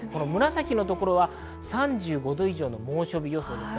紫のところは３５度以上の猛暑日予想です。